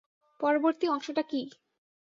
পরবর্তী অংশটা কী?